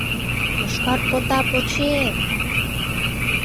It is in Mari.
Йошкар пота почеем!